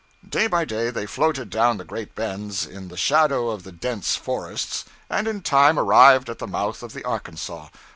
Day by day they floated down the great bends, in the shadow of the dense forests, and in time arrived at the mouth of the Arkansas.